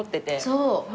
そう！